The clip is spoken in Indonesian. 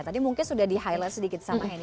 tadi mungkin sudah di highlight sedikit sama henr